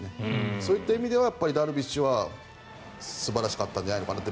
そういった意味ではダルビッシュは素晴らしかったんじゃないのかなって。